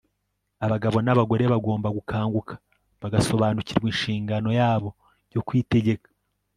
abagabo n'abagore bagomba gukanguka bagasobanukirwa inshingano yabo yo kwitegeka